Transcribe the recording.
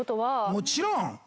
もちろん。